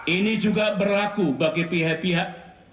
ini juga berlaku bagi pihak pihak